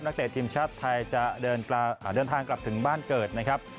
เตะทีมชาติไทยจะเดินทางกลับถึงบ้านเกิดนะครับ